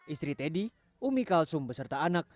istri teddy umi kalsum beserta anak